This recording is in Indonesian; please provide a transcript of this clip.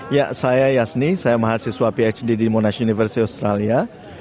ya saya yasni saya mahasiswa phd di monash university australia